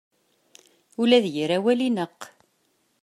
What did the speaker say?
Ula d yir awal ineqq.